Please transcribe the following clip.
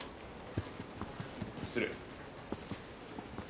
失礼。